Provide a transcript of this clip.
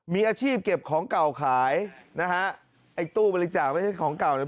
มีอาชีพเก็บของเก่าขายนะฮะไอ้ตู้บริจาคไม่ใช่ของเก่าเนี่ย